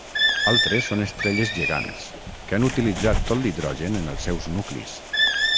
Altres són estrelles gegants, que han utilitzat tot l'hidrogen en els seus nuclis.